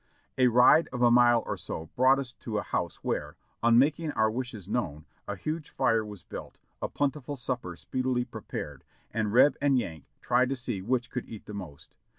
A ride of a mile or so brought us to a house where, on making our wishes known, a huge fire was built, a plentiful supper speed ily prepared, and Reb and Yank tried to see which could eat the most.